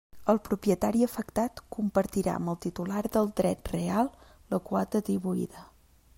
El propietari afectat compartirà amb el titular del dret real la quota atribuïda.